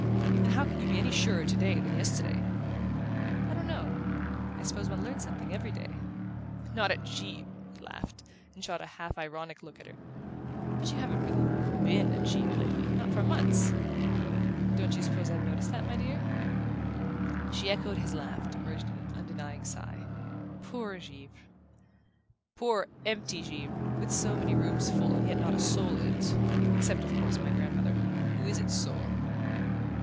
And how can you be any surer today than yesterday?" "I don't know. I suppose one learns something every day " "Not at Givre!" he laughed, and shot a half ironic look at her. "But you haven't really BEEN at Givre lately not for months! Don't you suppose I've noticed that, my dear?" She echoed his laugh to merge it in an undenying sigh. "Poor Givre..." "Poor empty Givre! With so many rooms full and yet not a soul in it except of course my grandmother, who is its soul!"